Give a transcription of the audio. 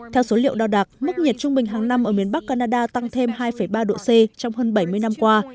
theo số liệu đo đạt mức nhiệt trung bình hàng năm ở miền bắc canada tăng thêm hai ba độ c trong hơn bảy mươi năm qua